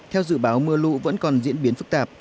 theo dự báo mưa lũ vẫn còn diễn biến phức tạp